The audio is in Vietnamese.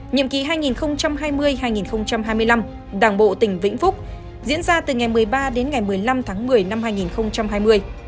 nhiệm kỳ hai nghìn hai mươi hai nghìn hai mươi năm đảng bộ tỉnh vĩnh phúc diễn ra từ ngày một mươi ba đến ngày một mươi năm tháng một mươi năm hai nghìn hai mươi